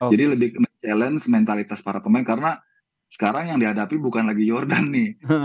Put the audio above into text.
jadi lebih mencabar mentalitas para pemain karena sekarang yang dihadapi bukan lagi jordan nih